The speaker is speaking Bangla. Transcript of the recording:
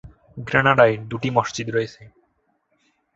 গ্রেনাডায় দুটি মসজিদ রয়েছে।